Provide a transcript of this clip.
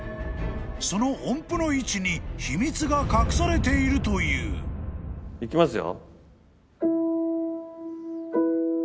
［その音符の位置に秘密が隠されているという］いきますよ。